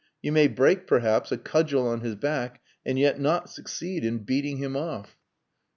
You may break, perhaps, a cudgel on his back and yet not succeed in beating him off...."